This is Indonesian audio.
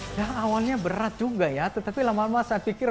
ya awalnya berat juga ya tetapi lama lama saya pikir